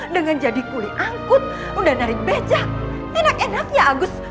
dengan jadi kuli angkut undanari bejak enak enaknya agus